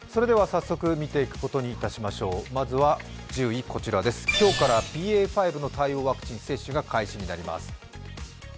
早速見ていくことにいたしましょう、まずは１０位、今日からＢＡ．５対応のワクチンが開始になります。